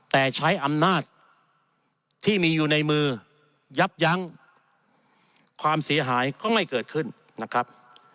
แต่ใช้อำนาจที่มีอยู่ในมือยับยั้งความเสียหายก็ไม่เกิดขึ้นนะครับ